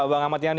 bang ahmad yani